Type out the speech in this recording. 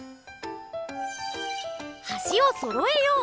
はしをそろえよう！